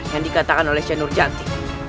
yang dikatakan oleh sehenurjati